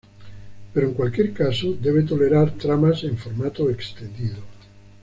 Pero en cualquier caso debe tolerar tramas en formato extendido.